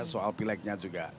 soal pileknya juga